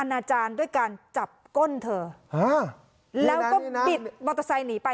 อาจารย์ด้วยการจับก้นเธอแล้วก็บิดมอเตอร์ไซค์หนีไป